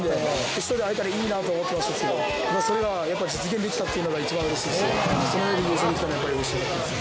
決勝で会えたらいいなと思ってましたけどそれが実現できたっていうのが一番嬉しいしその上で優勝できたのはやっぱり嬉しいです。